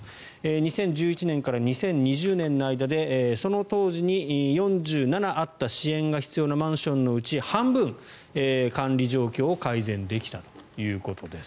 ２０１１年から２０２０年の間でその当時に４７あった支援が必要なマンションのうち半分、管理状況を改善できたということです。